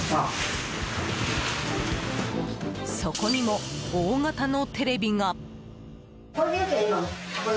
そこにも大型のテレビが。